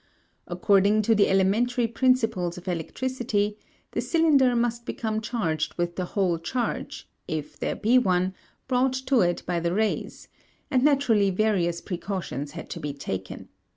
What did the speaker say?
According to the elementary principles of electricity the cylinder must become charged with the whole charge, if there be one, brought to it by the rays, and naturally various precautions had to be taken.